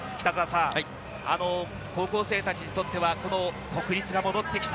高校生たちにとっては、この国立が戻ってきた。